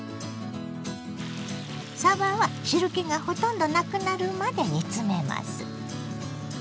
さばは汁けがほとんどなくなるまで煮詰めます。